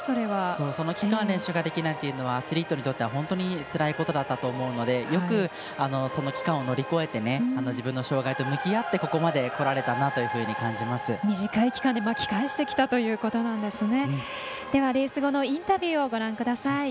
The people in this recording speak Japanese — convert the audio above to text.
その期間、練習ができないのはアスリートにとって本当につらいことだったと思うのでよくその期間を乗り越えて自分の障がいと向き合ってここまでこられたな短い期間で巻き返してきたということですね。